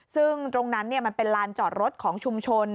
ซึ่งตรงนั้นมันเป็นลานจอดรถของชุมชน